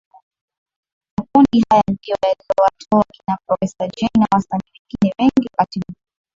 Makundi hayo ndiyo yaliyowatoa kina Professa Jay na wasanii wengine wengi wakati huo